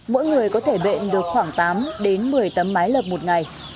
mỗi người có thể bệnh được khoảng tám đến một mươi tấm mái lợp một ngày